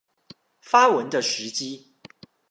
發文的時機